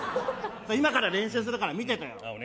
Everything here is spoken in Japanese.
今から練習するから見ててよ。